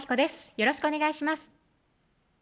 よろしくお願いします